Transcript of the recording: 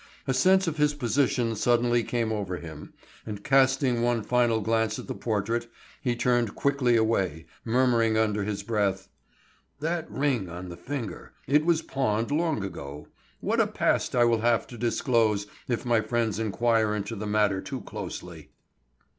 A sense of his position suddenly came over him, and casting one final glance at the portrait, he turned quickly away, murmuring under his breath: "That ring on the finger,—it was pawned long ago. What a past I will have to disclose if my friends inquire into the matter too closely."